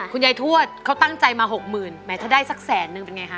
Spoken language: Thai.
คุณยายทวชเขาตั้งใจมา๖๐๐๐๐แหมถ้าได้สักแสนหนึ่งเป็นไงคะ